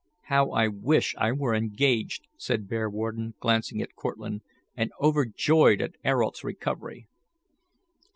"How I wish I were engaged," said Bearwarden, glancing at Cortlandt, and overjoyed at Ayrault's recovery.